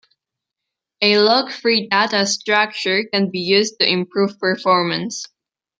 A lock-free data structure can be used to improve performance.